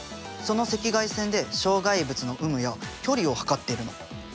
その赤外線で障害物の有無や距離を測っているの。